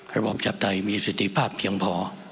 ประชาปไทยมีสถิภาพเพียงพอ